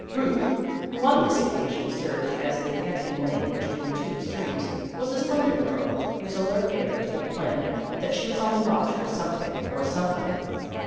Ruth, who on this occasion served as the connecting link be tween the two extremes, was a slender girl, whose alert air told plainly that she was on the watch for something or somebody.